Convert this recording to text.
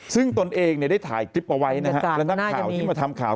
ซึ่งตนเองเนี่ยได้ถ่ายคลิปเอาไว้นะฮะและนักข่าวที่มาทำข่าว